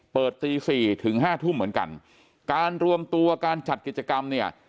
ตีสี่ถึงห้าทุ่มเหมือนกันการรวมตัวการจัดกิจกรรมเนี่ย